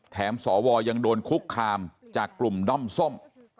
สวยังโดนคุกคามจากกลุ่มด้อมส้ม